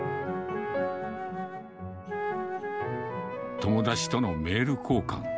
友達とのメール交換。